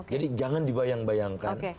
jadi jangan dibayang bayangkan